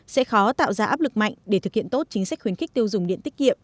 sẽ khó tạo ra áp lực mạnh để thực hiện tốt chính sách khuyến khích tiêu dùng điện tiết kiệm